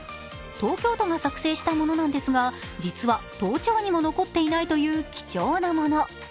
東京都が作成したものなんですが実は都庁にも残っていない貴重なもの。